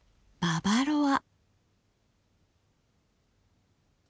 ババロア。